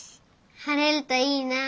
晴れるといいなあ。